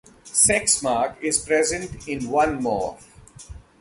Sex-mark is present in one morph.